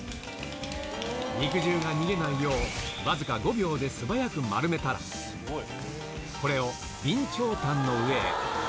肉汁が逃げないよう、僅か５秒で素早く丸めたら、これを備長炭の上へ。